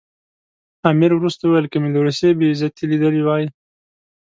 امیر وروسته وویل که مې له روسیې بې عزتي لیدلې وای.